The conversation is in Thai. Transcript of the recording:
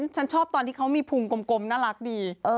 ฉันชอบตอนที่เขามีพุงกลมน่ารักดี